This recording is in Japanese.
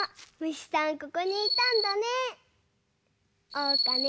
おうかね